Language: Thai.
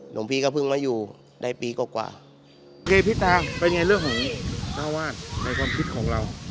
หลวงพี่ก็เพิ่งมาอยู่ได้ปีกว่าเคพิตาเป็นไงเรื่องของเจ้าวาดในความคิดของเรา